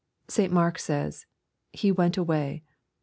St. Mark says, " He went away.